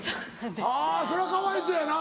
あそれはかわいそうやな。